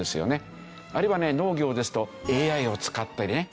あるいはね農業ですとＡＩを使ったりね。